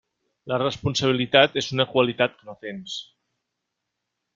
La responsabilitat és una qualitat que no tens.